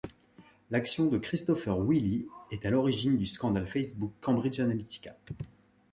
L'action de Christopher Wylie est à l'origine du scandale Facebook-Cambridge Analytica.